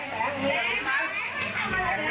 แล้วผมว่าอะไร